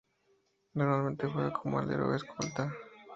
Normalmente juega como Alero o Escolta.